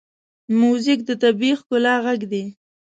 موزیک د طبیعي ښکلا غږ دی.